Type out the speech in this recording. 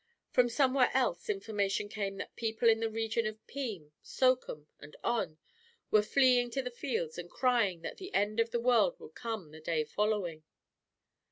From somewhere else information came that people in the region of Peme, Sochem, and On, were fleeing to the fields and crying that the end of the world would come the day following.